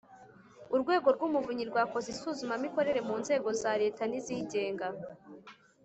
urwego rw’umuvunyi rwakoze isuzumamikorere mu nzego za leta n’izigenga